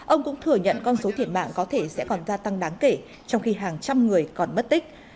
ông cũng thừa nhận con số thiệt mạng có thể sẽ còn gia tăng đáng kể trong khi hàng trăm người còn mất tích